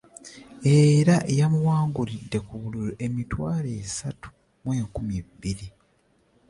Era yamuwangulidde ku bululu emitwalo esato mu enkumi bbiri